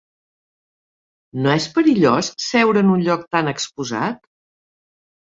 No és perillós seure en un lloc tan exposat?